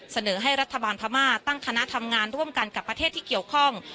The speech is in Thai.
เสนอให้รัฐบาลพม่าตั้งคณะทำงานร่วมกันกับประเทศที่เกี่ยวข้อง